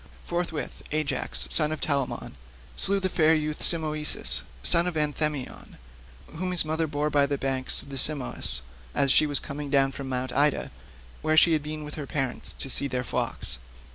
Forthwith Ajax, son of Telamon, slew the fair youth Simoeisius, son of Anthemion, whom his mother bore by the banks of the Simois, as she was coming down from Mt. Ida, where she had been with her parents to see their flocks.